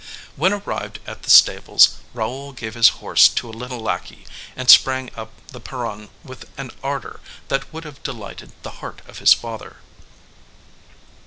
When arrived at the stables, Raoul gave his horse to a little lackey, and sprang up the perron with an ardor that would have delighted the heart of his father.